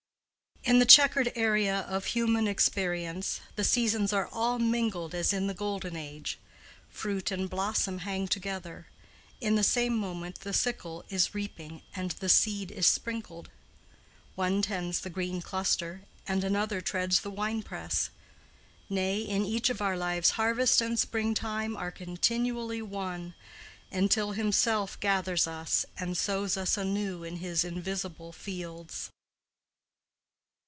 In the checkered area of human experience the seasons are all mingled as in the golden age: fruit and blossom hang together; in the same moment the sickle is reaping and the seed is sprinkled; one tends the green cluster and another treads the winepress. Nay, in each of our lives harvest and spring time are continually one, until himself gathers us and sows us anew in his invisible fields.